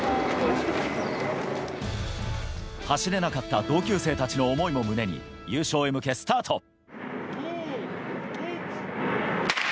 走れなかった同級生たちの思いも胸に、優勝へ向けスタート。